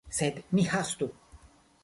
Sed ni hastu.